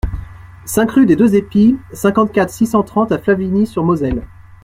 cinq rue des Deux Épis, cinquante-quatre, six cent trente à Flavigny-sur-Moselle